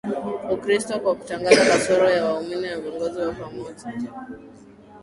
Ukristo kwa kutangaza kasoro za waumini na viongozi wao pamoja na